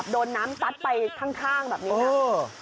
โดนน้ำซัดไปข้างแบบนี้นะ